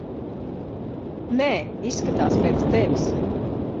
Nē, izskatās pēc tevis.